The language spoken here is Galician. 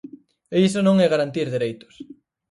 E iso non é garantir dereitos.